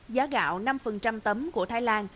giá gạo năm tấm của thái lan